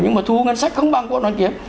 nhưng mà thu ngân sách không bằng của hoàn kiếm